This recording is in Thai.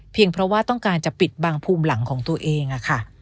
เพราะว่าต้องการจะปิดบังภูมิหลังของตัวเองค่ะ